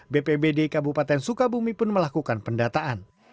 bpbd kabupaten sukabumi pun melakukan pendataan